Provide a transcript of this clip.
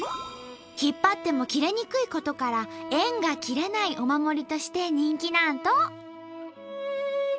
引っ張っても切れにくいことから縁が切れないお守りとして人気なんと！